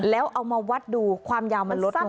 แล้วเอามาวัดดูความยาวมันลดลง